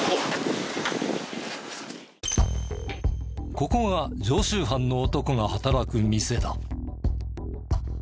ここが常習犯の男が働く店だ。